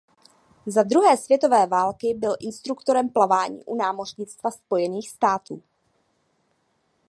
Za druhé světové války byl instruktorem plavání u Námořnictva Spojených států.